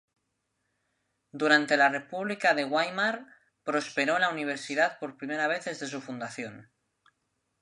Durante la República de Weimar prosperó la Universidad por primera vez desde su fundación.